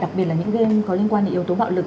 đặc biệt là những game có liên quan đến yếu tố bạo lực